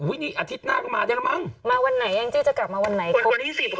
อุ้ยนี่อาทิตย์หน้าก็มาได้แล้วมั้งมาวันไหนจะกลับมาวันไหนวันที่สิบค่ะ